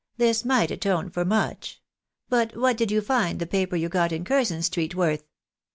This might atone for much ! but what did you find the paper you got in Curzon street worth